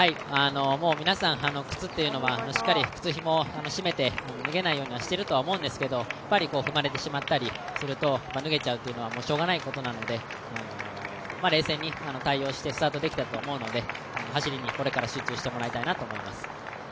皆さん、靴というのはしっかり靴ひもを締めて脱げないようにはしていると思うんですけど脱げちゃうというのはしようがないことなので、冷静に対応してスタートできたと思うので、走りでこれから集中してほしいなと思います。